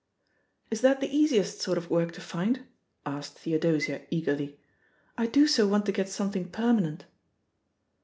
"Is that the easiest sort of work to find?" asked Theodosia eagerly. "I do so want to get some thing permanent."